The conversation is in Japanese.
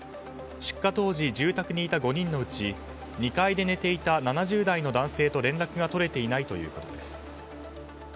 出火当時、住宅にいた５人のうち２階で寝ていた７０代の男性と連絡が取れていないということです。